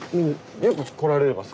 よく来られます？